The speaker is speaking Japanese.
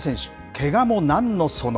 けがもなんのその。